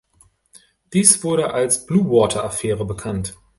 Dies wurde als "Bluewater-Affäre" bekannt.